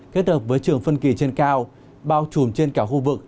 kết hợp với trường phân kỳ trên cao bao trùm trên cả khu vực